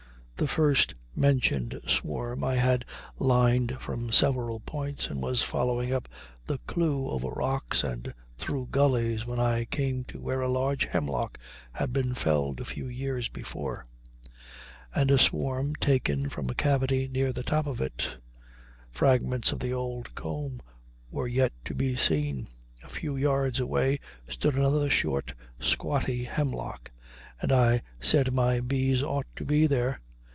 The first mentioned swarm I had lined from several points, and was following up the clew over rocks and through gulleys, when I came to where a large hemlock had been felled a few years before, and a swarm taken from a cavity near the top of it; fragments of the old comb were yet to be seen. A few yards away stood another short, squatty hemlock, and I said my bees ought to be there.